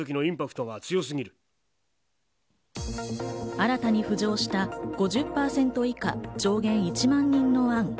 新たに浮上した５０％以下上限１万人の案。